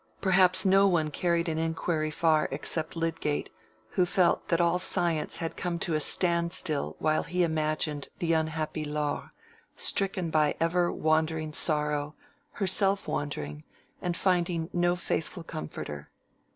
Perhaps no one carried inquiry far except Lydgate, who felt that all science had come to a stand still while he imagined the unhappy Laure, stricken by ever wandering sorrow, herself wandering, and finding no faithful comforter.